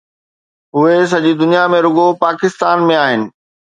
اهي سڄي دنيا ۾ رڳو پاڪستان ۾ آهن.